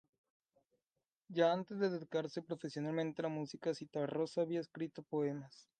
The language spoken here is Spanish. Ya antes de dedicarse profesionalmente a la música, Zitarrosa había escrito poemas.